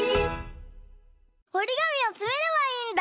おりがみをつめればいいんだ。